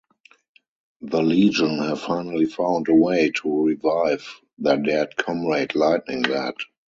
The Legion have finally found a way to revive their dead comrade Lightning Lad.